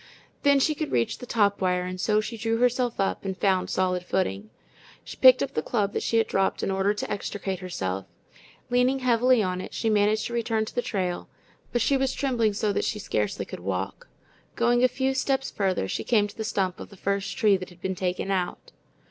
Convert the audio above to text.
Then she could reach the top wire, and so she drew herself up and found solid footing. She picked up the club that she had dropped in order to extricate herself. Leaning heavily on it, she managed to return to the trail, but she was trembling so that she scarcely could walk. Going a few steps farther, she came to the stump of the first tree that had been taken out.